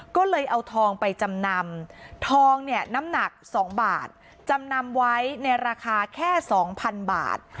ก็เลยเอาทองไปจำนำทองเนี่ยน้ำหนัก๒บาทจำนำไว้ในราคาแค่๒๐๐๐บาท